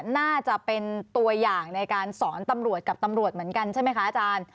น่าจะเป็นตัวอย่างในการสอนตำรวจกับตำรวจเหมือนกันใช่ไหมคะอาจารย์